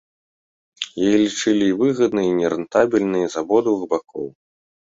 Яе лічылі і выгаднай і нерэнтабельнай з абодвух бакоў.